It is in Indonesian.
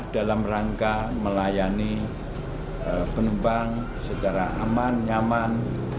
dalam rangka melayani penumpang secara aman nyaman